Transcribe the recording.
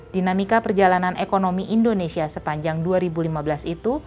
dinamika perjalanan ekonomi indonesia sepanjang dua ribu lima belas itu